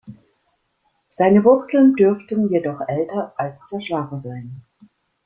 Seine Wurzeln dürften jedoch älter als der Schlager sein.